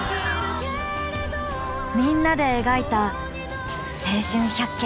みんなで描いた青春１００Ｋ。